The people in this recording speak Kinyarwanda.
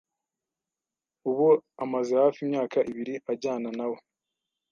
Ubu amaze hafi imyaka ibiri ajyana na we.